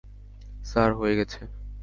Sir, হয়ে গেছে।